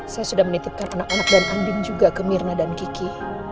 saya sudah menitipkan anak anak dan andin juga ke mirna dan kiki